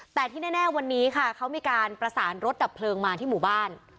แต่ที่แน่วันนี้ค่ะเขามีการประสานรถดับเพลิงมาที่หมู่บ้าน